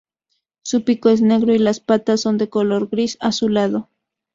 Su pico es negro y las patas son de color gris azulado.